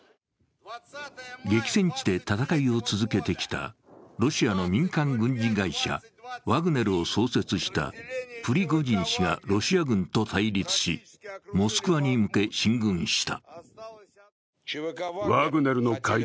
激戦地で戦いを続けてきたロシアの民間軍事会社、ワグネルを創設したプリゴジン氏がロシア軍と対立し、モスクワに向け進軍した。